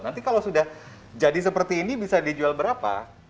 nanti kalau sudah jadi seperti ini bisa dijual berapa